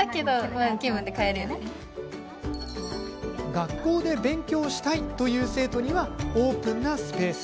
学校で勉強したいという生徒にはオープンなスペース。